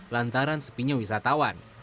lantaran sepinya wisatawan